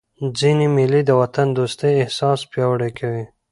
ځيني مېلې د وطن دوستۍ احساس پیاوړی کوي.